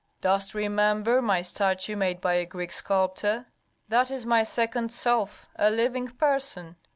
"Dost remember my statue made by a Greek sculptor? That is my second self, a living person!